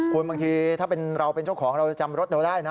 คุณบางทีถ้าเราเป็นเจ้าของเราจำรถเราได้นะ